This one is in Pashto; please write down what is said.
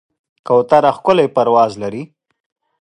کوتره ښکلی پرواز لري.